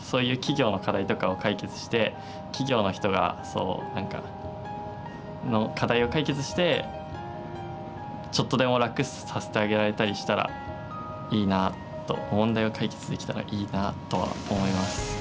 そういう企業の課題とかを解決して企業の人が何か課題を解決してちょっとでも楽させてあげられたりしたらいいなと問題を解決できたらいいなとは思います。